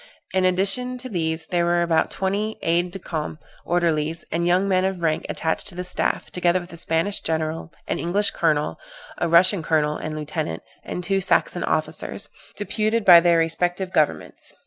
In addition to these, there were about twenty aid de camps, orderlies, and young men of rank attached to the staff, together with a Spanish general, an English colonel, a Russian colonel and lieutenant, and two Saxon officers, deputed by their respective governments.